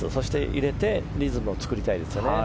入れてリズムを作りたいですね。